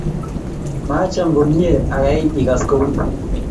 maacham komye ayain ikas kou ni